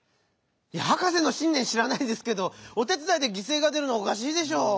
いやはかせのしんねんしらないですけどおてつだいでぎせいが出るのはおかしいでしょう？